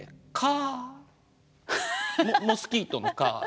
モスキートの蚊。